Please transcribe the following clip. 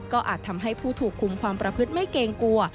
ก็อาจทำให้ผู้ถูกคุมความประพฤติไม่เกรงกลัว